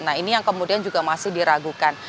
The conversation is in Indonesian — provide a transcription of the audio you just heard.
nah ini yang kemudian juga masih diragukan